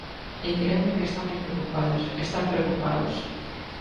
E créanme que están moi preocupados, están preocupados.